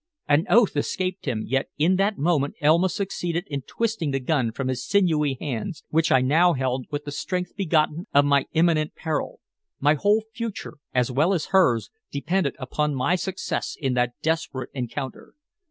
An oath escaped him, yet in that moment Elma succeeded in twisting the gun from his sinewy hands, which I now held with a strength begotten of a knowledge of my imminent peril. My whole future, as well as hers, depended upon my success in that desperate encounter.